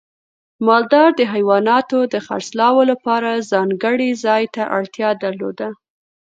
مالدار د حیواناتو د خرڅلاو لپاره ځانګړي ځای ته اړتیا درلوده.